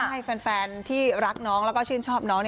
ใช่แฟนที่รักน้องแล้วก็ชื่นชอบน้อง